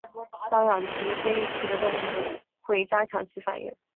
搔痒及非预期的动作会加强其反应。